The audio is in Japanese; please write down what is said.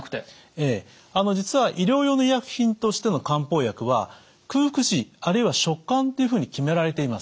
ええ実は医療用の医薬品としての漢方薬は空腹時あるいは食間っていうふうに決められています。